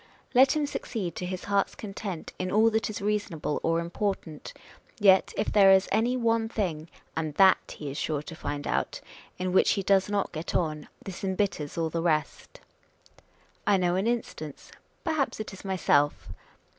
Let him succeed to his heart's content in all that is reasonable or important, yet if there is any one thing (and that he is sure to find out) in which he does not get on, this embitters all the rest. I know an instance. Perhaps it is myself.